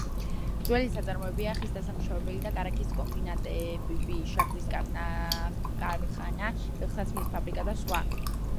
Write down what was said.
ძველი საწარმოებია ხის დასამუშავებელი და კარაქის კომბინატები, შაქრის ქარხანა, ფეხსაცმლის ფაბრიკა და სხვა.